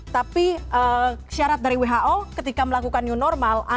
tapi syarat dari who ketika melakukan new normal